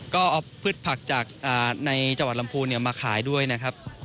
ก็เอาพืชผักจากในจังหวัดลำพูนมาขายด้วยนะครับ